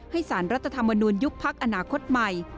ให้สารรัฐธรรมนูญยุคพักอาณาคตใหม่